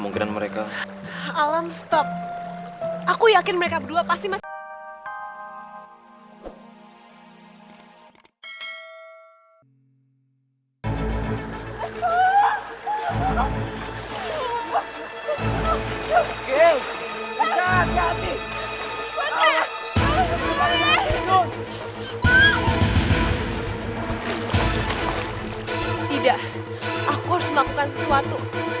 tidak aku harus melakukan sesuatu